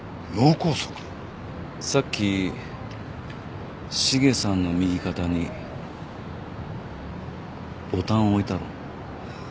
さっき茂さんの右肩にボタンを置いたろ？